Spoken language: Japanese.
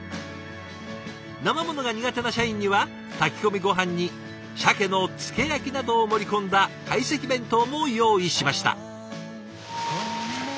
なま物が苦手な社員には炊き込みごはんにシャケの漬け焼きなどを盛り込んだ懐石弁当も用意しました。